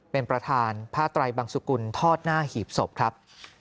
เป็นประธานผ้าไตรบังสุกุลทอดหน้าหีบศพครับ